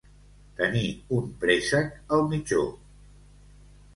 Tenir un préssec al mitjó.